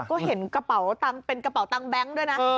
ก็เห็นเป็นกระเป๋าตังค์แบงค์ด้วยนะ